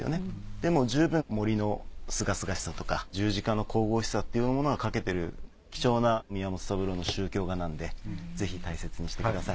でも十分森のすがすがしさとか十字架の神々しさっていうものが描けてる貴重な宮本三郎の宗教画なのでぜひ大切にしてください。